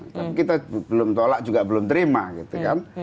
tapi kita belum tolak juga belum terima gitu kan